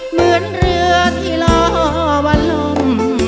เหมือนเรือที่รอวันลม